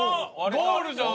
ゴールじゃん！